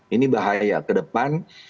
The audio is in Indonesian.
ini bahaya ke depan